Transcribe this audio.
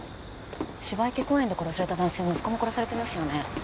芝池公園で殺された男性息子も殺されてますよね